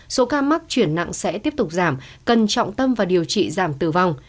số ca mắc chuyển nặng sẽ tiếp tục giảm cần trọng tâm và điều trị giảm tử vong